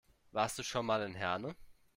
Warst du schon mal in Herne?